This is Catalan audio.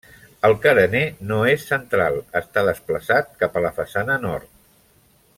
El carener no és central, està desplaçat cap a la façana nord.